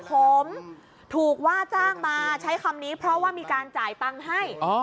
ผมถูกว่าจ้างมาใช้คำนี้เพราะว่ามีการจ่ายตังค์ให้